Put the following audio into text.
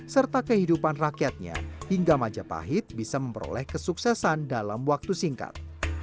serta kehidupan rakyatnya hingga majapahit bisa memperoleh kesuksesan dalam waktu singkat